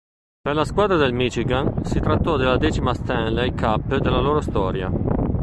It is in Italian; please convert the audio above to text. Per la squadra del Michigan si trattò della decima Stanley Cup della loro storia.